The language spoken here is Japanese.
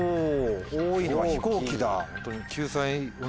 多いのは「飛行機」だ。